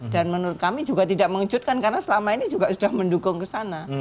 dan menurut kami juga tidak mengejutkan karena selama ini juga sudah mendukung kesana